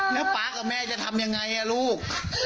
แล้วป๊ากับแม่จะทำยังไงลูก